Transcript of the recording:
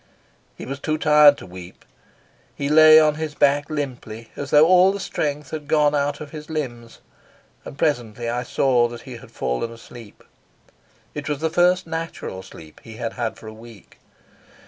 He was too tired to weep. He lay on his back limply, as though all the strength had gone out of his limbs, and presently I saw that he had fallen asleep. It was the first natural sleep he had had for a week.